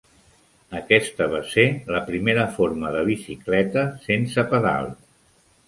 Aquesta va ser la primera forma de bicicleta, sense pedals.